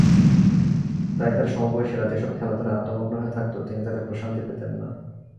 তাই তাঁর সমবয়সীরা যেসব খেলাধুলায় আত্মমগ্ন হয়ে থাকত তিনি তাতে প্রশান্তি পেতেন না।